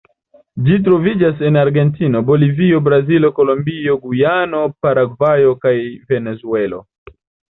Ĝi troviĝas en Argentino, Bolivio, Brazilo, Kolombio, Gujano, Paragvajo, kaj Venezuelo.